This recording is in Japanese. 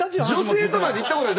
女性となんて行ったことない！